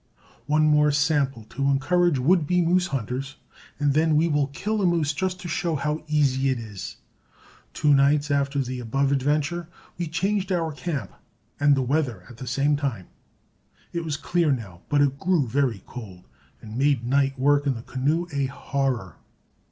One more sample to encourage would be moose hunters, and then we will kill a moose just to show how easy it is. Two nights after the above adventure we changed our camp and the weather at the same time. It was clear now, but it grew very cold, and made night work in the canoe a horror.